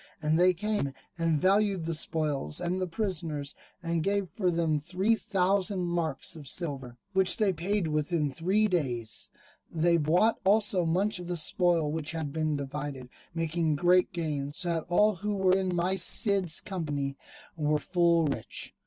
And they came, and valued the spoil and the prisoners, and gave for them three thousand marks of silver, which they paid within three days: they bought also much of the spoil which had been divided, making great gain, so that all who were in my Cid's company were full rich.